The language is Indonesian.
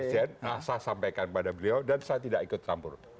saya sampaikan pada beliau dan saya tidak ikut campur